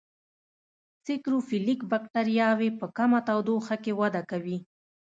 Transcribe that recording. سیکروفیلیک بکټریاوې په کمه تودوخه کې وده کوي.